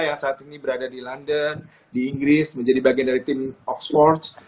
yang saat ini berada di london di inggris menjadi bagian dari tim oxford